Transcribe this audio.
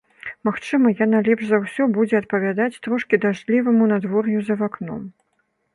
Магчыма, яна лепш за ўсё будзе адпавядаць трошкі дажджліваму надвор'ю за вакном.